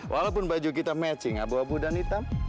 walaupun baju kita matching abu abu dan hitam